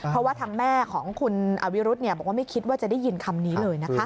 เพราะว่าทางแม่ของคุณอวิรุธบอกว่าไม่คิดว่าจะได้ยินคำนี้เลยนะคะ